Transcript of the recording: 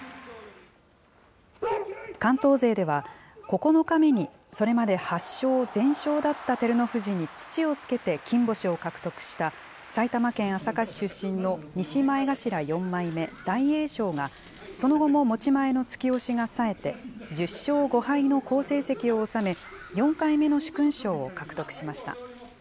関東勢では、９日目にそれまで８勝全勝だった照ノ富士に土をつけて金星を獲得した埼玉県朝霞市出身の西前頭４枚目、大栄翔が、その後も持ち前の突き押しがさえて、１０勝５敗の好成績を収め、４回目の殊勲賞を獲得しました。